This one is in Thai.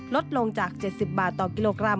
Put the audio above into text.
ลดลงจาก๗๐บาทต่อกิโลกรัม